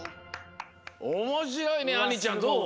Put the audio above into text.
おもしろいねあんりちゃんどう？